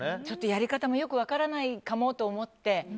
やり方もよく分からないかもと思って。